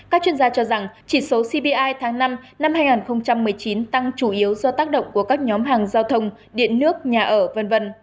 các chuyên gia cho rằng chỉ số cpi tháng năm năm hai nghìn một mươi chín tăng chủ yếu do tác động của các nhóm hàng giao thông điện nước nhà ở v v